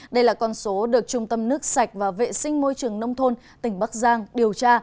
đây là con số được trung tâm nước sạch và vệ sinh môi trường nông thôn tỉnh bắc giang điều tra